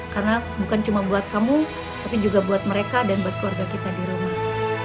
karena bukan cuma buat kamu tapi juga buat mereka dan buat keluarga kita di rumah